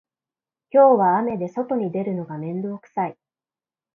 今日は雨で外に出るのが面倒くさい